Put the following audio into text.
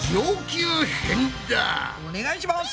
お願いします！